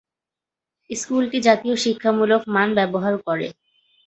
স্কুলটি জাতীয় শিক্ষামূলক মান ব্যবহার করে।